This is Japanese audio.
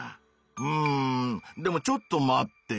うんでもちょっと待って。